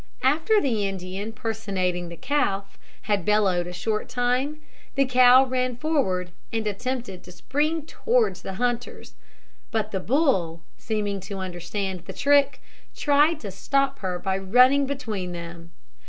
After the Indian personating the calf had bellowed a short time, the cow ran forward, and attempted to spring towards the hunters; but the bull, seeming to understand the trick, tried to stop her by running between them.